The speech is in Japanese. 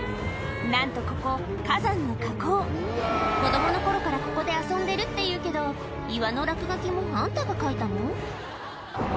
なんとここ火山の火口子供の頃からここで遊んでるっていうけど岩の落書きもあんたが書いたの？